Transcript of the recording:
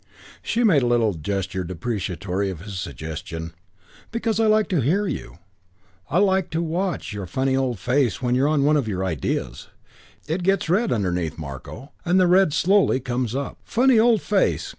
She made a little gesture deprecatory of his suggestion. "Because I like to hear you. I like to watch your funny old face when you're on one of your ideas. It gets red underneath, Marko, and the red slowly comes up. Funny old face!